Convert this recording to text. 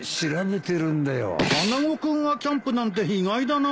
穴子君がキャンプなんて意外だな。